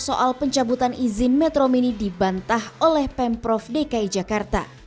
soal pencabutan izin metro mini dibantah oleh pemprov dki jakarta